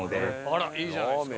あらいいじゃないですか。